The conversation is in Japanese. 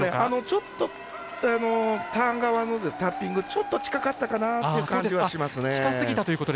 ちょっとターン側のタッピングが近かったかなという感じはしますね。